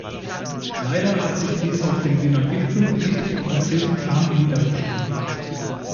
Leider hat sich dies auf dem Wiener Gipfel nicht in konkreten Taten niedergeschlagen.